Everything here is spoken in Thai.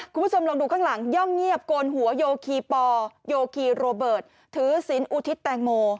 คุณผู้ชมลองดูข้างหลังย่องเงียบโกนหัวโยคีปอโยคีโรเบิร์ตถือศิลปอุทิศแตงโม